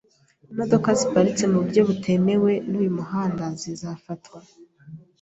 Imodoka ziparitse mu buryo butemewe n’uyu muhanda zizafatwa.